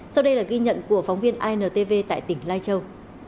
sau đây là ghi nhận của phóng viên intv tại tỉnh lai châu